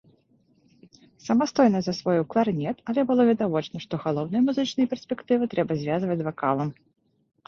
Самастойна засвоіў кларнет, але было відавочна, што галоўныя музычныя перспектывы трэба звязваць з вакалам.